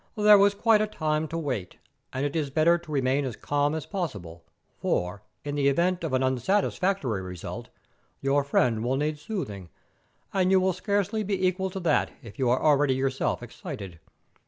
There is quite a time to wait, and it is better to remain as calm as possible, for, in the event of an unsatisfactory result, your friend will need soothing, and you will scarcely be equal to that if you are yourself excited.